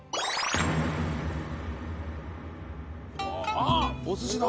あっお寿司だ！